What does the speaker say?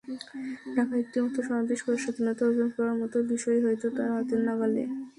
ঢাকায় একটিমাত্র সমাবেশ করার স্বাধীনতা অর্জন করার মতো বিষয় হয়তো তাঁর হাতের নাগালে।